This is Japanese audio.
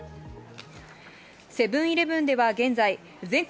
セブンイレブンでは現在、全国